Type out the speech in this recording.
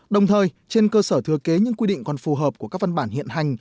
đồng thời trên cơ sở thừa kế những quy định còn phù hợp của các văn bản hiện hành